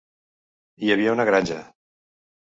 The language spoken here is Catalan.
Hi havia una granja.